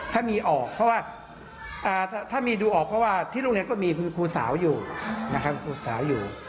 ถ้ามีออกเพราะว่าถ้ามีดูออกเพราะว่าที่โรงเรียนก็มีคุณครูสาวอยู่นะครับครูสาวอยู่